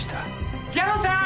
ギャロさん！